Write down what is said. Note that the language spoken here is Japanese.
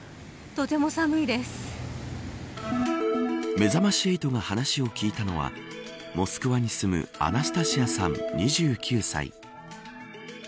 めざまし８が話を聞いたのはモスクワに住むアナスタシアさん、２９歳。